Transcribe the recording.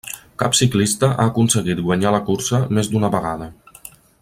Cap ciclista ha aconseguit guanyar la cursa més d'una vegada.